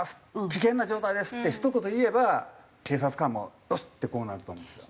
危険な状態です！」ってひと言言えば警察官も「よし！」ってこうなると思うんですよ。